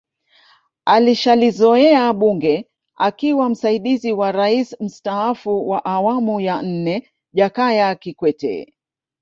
Alishalizoea bunge akiwa msaidizi wa raisi mstaafu wa awamu ya nne Jakaya Kikwete